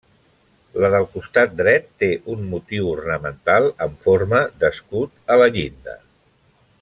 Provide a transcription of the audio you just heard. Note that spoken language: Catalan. La del costat dret té un motiu ornamental en forma d’escut a la llinda.